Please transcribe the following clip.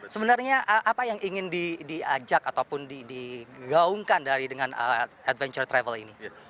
sebenarnya apa yang ingin diajak ataupun digaungkan dengan adventure travel ini